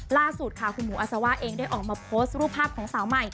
ล่าสุดค่ะคุณหมูอาซาว่าเองได้ออกมาโพสต์รูปภาพของสาวใหม่